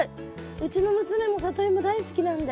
うちの娘もサトイモ大好きなんで。